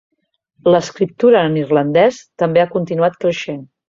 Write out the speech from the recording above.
L'escriptura en irlandès també ha continuat creixent.